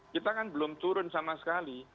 kita kan belum turun sama sekali